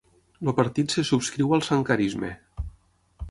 El partit es subscriu al Sankarisme.